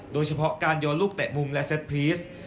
โดยเฉพาะการโยนลูกเตะมุมและเซ็ตพรีส